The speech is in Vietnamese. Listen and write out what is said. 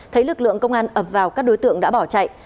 thấy lực lượng công an ập vào các đối tượng đã bỏ chạy